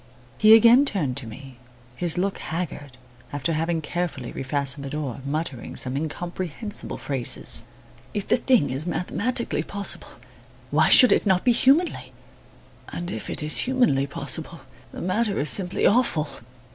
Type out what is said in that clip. He again turned to me, his look haggard, after having carefully refastened the door, muttering some incomprehensible phrases. "If the thing is mathematically possible, why should it not be humanly! And if it is humanly possible, the matter is simply awful."